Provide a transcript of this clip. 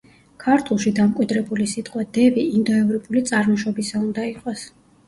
ქართულში დამკვიდრებული სიტყვა „დევი“ ინდოევროპული წარმოშობისა უნდა იყოს.